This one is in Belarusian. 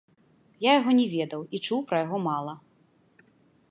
Я яго не ведаў і чуў пра яго мала.